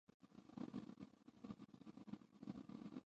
ډېر سخت باران ورېده، د باینسېزا لښکر.